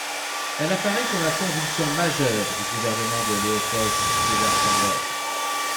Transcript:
Elle apparaît comme la convulsion majeure du gouvernement de Léopold Sédar Senghor.